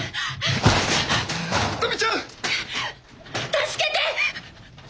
助けて！